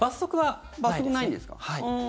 罰則ないんですか。